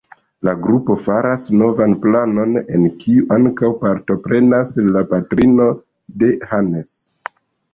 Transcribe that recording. La grupo faras novan planon, en kiu ankaŭ partoprenas la patrino de Hannes.